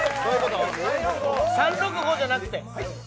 ３６５じゃなくて？